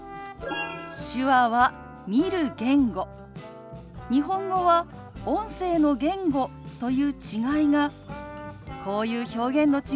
手話は見る言語日本語は音声の言語という違いがこういう表現の違いになることがあるんですよ。